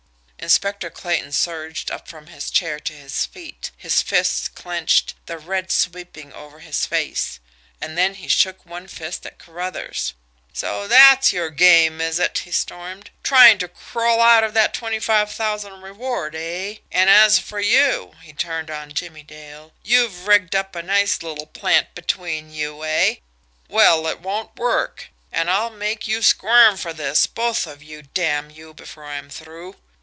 Inspector Clayton surged up from his chair to his feet, his fists clenched, the red sweeping over his face and then he shook one fist at Carruthers. "So that's your game, is it!" he stormed. "Trying to crawl out of that twenty five thousand reward, eh? And as for you" he turned on Jimmie Dale "you've rigged up a nice little plant between you, eh? Well, it won't work and I'll make you squirm for this, both of you, damn you, before I'm through!"